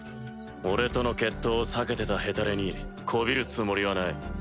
俺との決闘を避けてたヘタレに媚びるつもりはない。